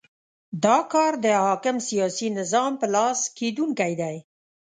دا کار د حاکم سیاسي نظام په لاس کېدونی دی.